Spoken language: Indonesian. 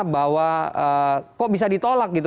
bahwa kok bisa ditolak gitu